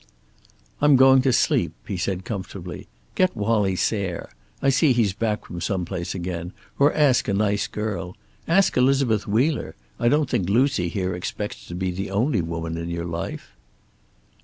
"I'm going to sleep," he said comfortably. "Get Wallie Sayre I see he's back from some place again or ask a nice girl. Ask Elizabeth Wheeler. I don't think Lucy here expects to be the only woman in your life."